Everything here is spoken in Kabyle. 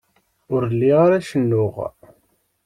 Ur lliɣ ara cennuɣ.